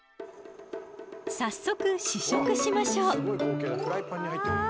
早速試食しましょう！